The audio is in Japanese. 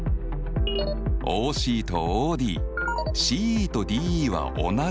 ＯＣとＯＤＣＥとＤＥは同じ長さ。